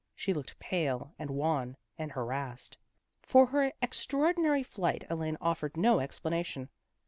She looked pale and wan and harassed. For her extraordinary flight Elaine offered no explanation.